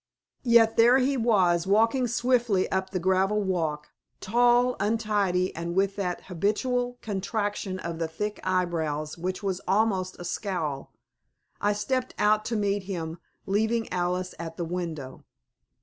Yet there he was, walking swiftly up the gravel walk tall, untidy, and with that habitual contraction of the thick eyebrows which was almost a scowl. I stepped out to meet him, leaving Alice at the window.